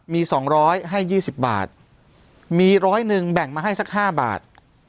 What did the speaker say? มี๒๐๐ให้๒๐บาทมีร้อยหนึ่งแบ่งมาให้สัก๕บาท